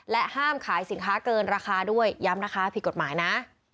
ห้ามขายสินค้าเกินราคาด้วยย้ำนะคะผิดกฎหมายนะ